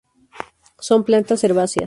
Son plantas herbáceas.